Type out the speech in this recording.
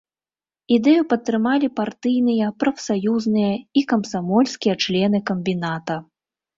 Ідэю падтрымалі партыйныя, прафсаюзныя і камсамольскія члены камбіната.